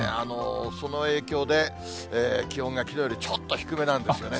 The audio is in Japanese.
その影響で、気温がきのうよりちょっと低めなんですよね。